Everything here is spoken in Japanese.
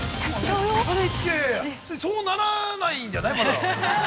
◆そうならないんじゃない？